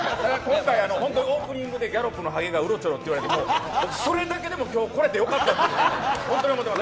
オープニングでギャロップのハゲがうろちょろと言われてそれだけでも今日来れてよかったと思ってます。